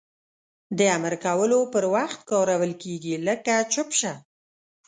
د امر کولو پر وخت کارول کیږي لکه چوپ شه!